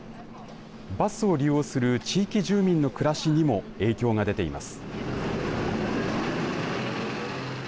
バスを利用する地域住民の暮らしにも影響が出ています。